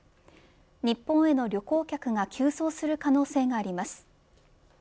日本への旅行客が急増する可能性があります。